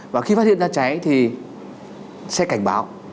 và khi phát hiện ra cháy thì sẽ cảnh báo